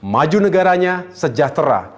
maju negaranya sejahtera